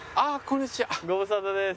ご無沙汰です。